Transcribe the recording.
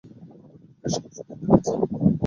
ভদ্রলোক বেশ কিছু দিন ঢাকায় ছিলেন না।